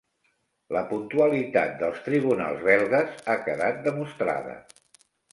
La puntualitat dels tribunals belgues ha quedat demostrada.